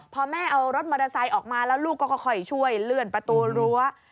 พอแม่เอารถมอเตอร์ไซค์ออกมาแล้วลูกก็ค่อยช่วยเลื่อนประตูรั้ว